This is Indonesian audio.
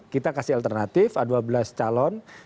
kita kasih alternatif dua belas calon